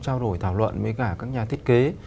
trao đổi thảo luận với cả các nhà thiết kế